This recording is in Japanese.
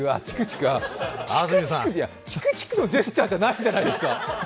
チクチクのジェスチャーじゃないじゃないですか。